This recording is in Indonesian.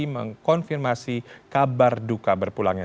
mengkonfirmasi kabar duka berpulangnya